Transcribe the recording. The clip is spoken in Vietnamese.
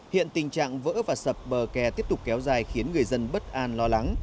hiện tình trạng vỡ và sập bờ kè tiếp tục kéo dài khiến người dân bất an lo lắng